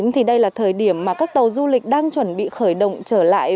thì đây là thời điểm mà các tàu du lịch đang chuẩn bị khởi động trở lại